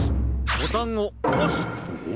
ボタンをおす。